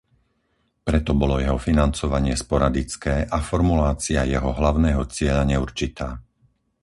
Preto bolo jeho financovanie sporadické a formulácia jeho hlavného cieľa neurčitá.